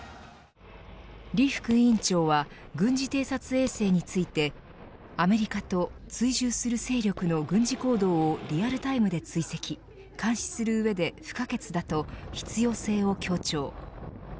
李副委員長は軍事偵察衛星についてアメリカと追従する勢力の軍事行動をリアルタイムで追跡、監視する上で不可欠だと、必要性を強調。